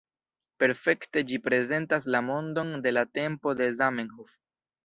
Perfekte ĝi prezentas la mondon de la tempo de Zamenhof.